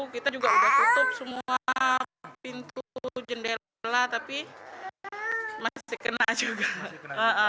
kita juga sudah tutup semua pintu jendela tapi masih kena juga